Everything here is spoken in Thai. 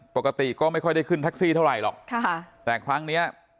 ปกติก็ไม่ค่อยได้ขึ้นแท็กซี่เท่าไหร่หรอกค่ะแต่ครั้งเนี้ย